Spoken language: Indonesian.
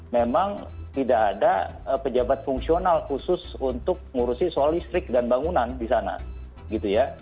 memang tidak ada pejabat fungsional khusus untuk ngurusi soal listrik dan bangunan di sana gitu ya